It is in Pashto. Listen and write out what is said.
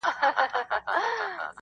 ويل مه كوه پوښتنه د وگړو -